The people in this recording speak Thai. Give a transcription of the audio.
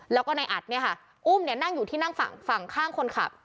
แล้วก็ในอัดเนี่ยค่ะอุ้มเนี่ยนั่งอยู่ที่นั่งฝั่งข้างคนขับ